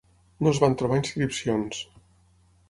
No es van trobar inscripcions.